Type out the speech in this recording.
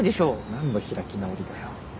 何の開き直りだよ。